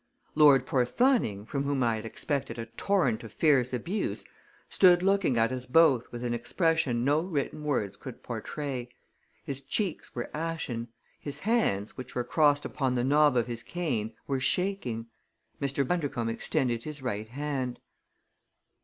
Lord Porthoning, from whom I had expected a torrent of fierce abuse, stood looking at us both with an expression no written words could portray. His cheeks were ashen. His hands, which were crossed upon the knob of his cane, were shaking. Mr. Bundercombe extended his right hand.